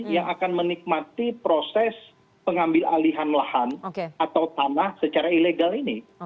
yang akan menikmati proses pengambil alihan lahan atau tanah secara ilegal ini